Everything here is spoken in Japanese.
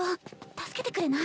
助けてくれない？